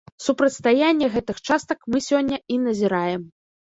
Супрацьстаянне гэтых частак мы сёння і назіраем.